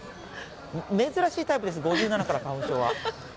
珍しいタイプです、５７から花粉症は。